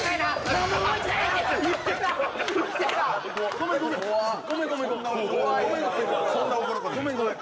ごめんごめん。